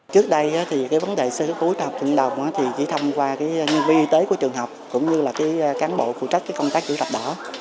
trước đây vấn đề sơ cấp cứu trong học trường đồng chỉ thông qua nhân viên y tế của trường học cũng như cán bộ phụ trách công tác chủ tập đỏ